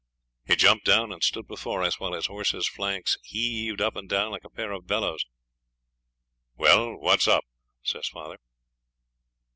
He jumped down and stood before us, while his horse's flanks heaved up and down like a pair of bellows. 'Well, what's up?' says father.